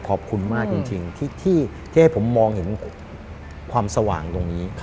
ขอบคุณมากจริงที่ให้ผมมองเห็นความสว่างตรงนี้